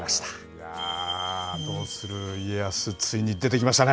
いやー、どうする家康、ついに出てきましたね。